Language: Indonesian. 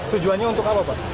tujuannya untuk apa pak